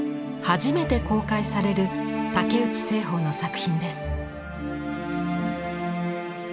初めて公開される竹内栖鳳の作品です。